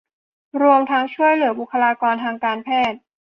รวมทั้งช่วยเหลือบุคคลากรทางการแพทย์